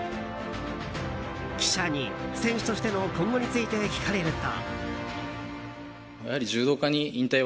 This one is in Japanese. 記者に、選手としての今後について聞かれると。